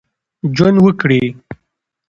ژوند وکړي.